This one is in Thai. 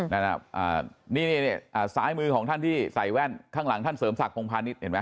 นั่นนี่ซ้ายมือของท่านที่ใส่แว่นข้างหลังท่านเสริมศักดิพงพาณิชย์เห็นไหม